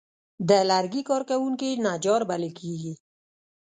د لرګي کار کوونکي نجار بلل کېږي.